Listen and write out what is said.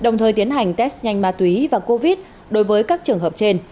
đồng thời tiến hành test nhanh ma túy và covid đối với các trường hợp trên